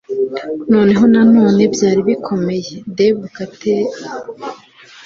noneho nanone byari bikomeye - deb caletti